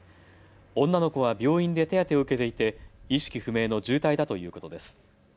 女の子は病院で手当てを受けていて意識不明の重体だということです。